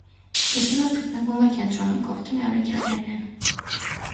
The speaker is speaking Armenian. Հիսուսը գտնվում է կենտրոնում, կողքին առաքյալներն են։